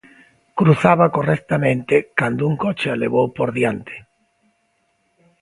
Cruzaba correctamente cando un coche a levou por diante.